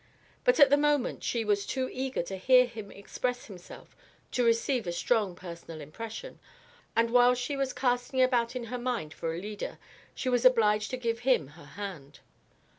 But at the moment she was too eager to hear him express himself to receive a strong personal impression, and while she was casting about in her mind for a leader, she was obliged to give him her hand.